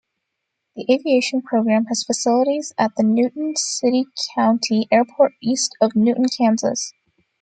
The aviation program has facilities at the Newton City-County Airport east of Newton, Kansas.